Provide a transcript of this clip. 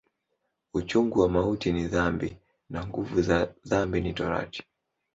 Uchungu wa mauti ni dhambi, na nguvu za dhambi ni Torati.